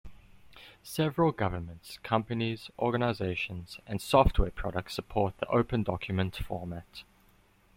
Several governments, companies, organizations and software products support the OpenDocument format.